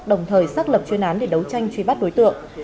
đồng thời xác lập chuyên án để đấu tranh truy bắt đối tượng